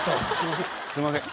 すんません。